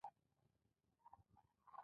درنې پلې وغنجېدې.